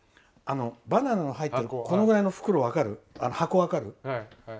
バナナの入ってるこのぐらいの箱、分かる？